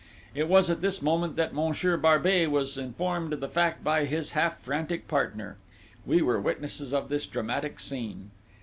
"It was at this moment that Monsieur Barbey was informed of the fact by his half frantic partner. We were witnesses of this dramatic scene.